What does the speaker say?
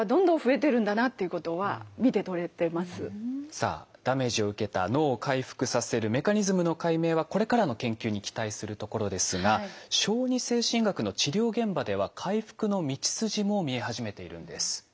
さあダメージを受けた脳を回復させるメカニズムの解明はこれからの研究に期待するところですが小児精神学の治療現場では回復の道筋も見え始めているんです。